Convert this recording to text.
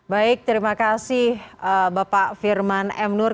baik terima kasih bapak firman m nur